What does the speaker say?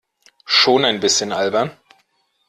Schon ein bisschen albern.